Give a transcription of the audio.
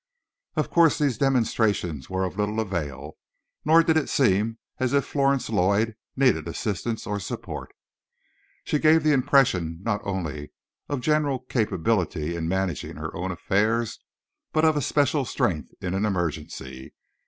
Of course these demonstrations were of little avail, nor did it seem as if Florence Lloyd needed assistance or support. She gave the impression not only of general capability in managing her own affairs, but of a special strength in an emergency.